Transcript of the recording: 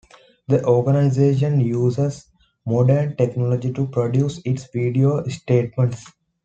The organization uses modern technology to produce its video statements.